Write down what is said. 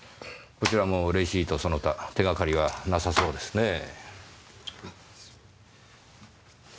こちらもレシートその他手がかりはなさそうですねぇ。